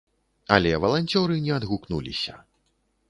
Але валанцёры не адгукнуліся.